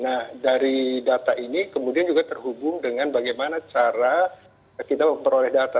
nah dari data ini kemudian juga terhubung dengan bagaimana cara kita memperoleh data